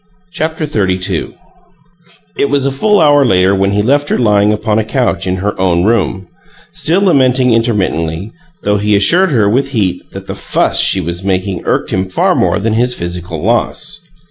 CHAPTER XXXII It was a full hour later when he left her lying upon a couch in her own room, still lamenting intermittently, though he assured her with heat that the "fuss" she was making irked him far more than his physical loss.